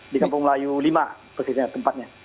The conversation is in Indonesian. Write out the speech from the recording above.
di kampung melayu lima khususnya tempatnya